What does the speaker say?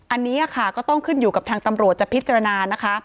อันนี้ค่ะก็ต้องขึ้นอยู่กับทางตำรวจจะพิจารณานะคะ